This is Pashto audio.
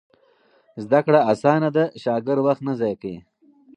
زده کړه اسانه ده، شاګرد وخت نه ضایع کوي.